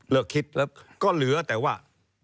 เลือกคิดก็เหลือแต่ว่า